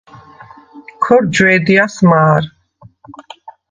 ქორ ჯვე̄დიას მა̄რ.